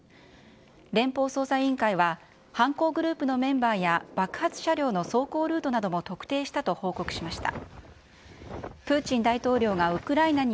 連邦捜査委員会は犯行グループのメンバーや爆発車両の走行ルートなども特定したと報告しました。